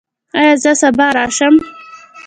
ایا زه سبا راشم؟